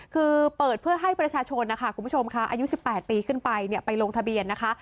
คือเปิดเพื่อให้ประชาชนนะคะคุณผู้ชมค่ะอายุ๑๘ปีขึ้นไปไปลงทะเบียนนะคะ